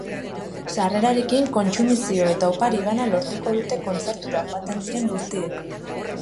Sarrerarekin kontsumizio eta opari bana lortuko dute kontzertura joaten diren guztiek.